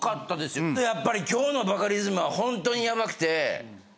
やっぱり今日のバカリズムはホントにヤバくて。